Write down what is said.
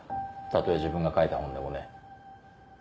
たとえ自分が書いた本でもね。